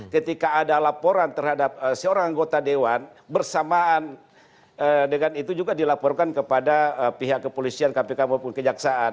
ketika ada laporan terhadap seorang anggota dewan bersamaan dengan itu juga dilaporkan kepada pihak kepolisian kpk maupun kejaksaan